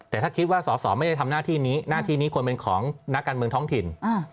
แต่ถ้าคิดว่าสอสอไม่ได้ทำหน้าที่นี้หน้าที่นี้ควรเป็นของนักการเมืองท้องถิ่น